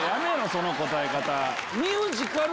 その答え方。